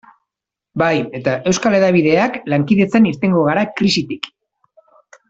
Bai, eta euskal hedabideak lankidetzan irtengo gara krisitik.